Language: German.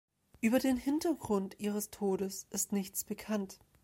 Über den Hintergrund ihres Todes ist nichts bekannt.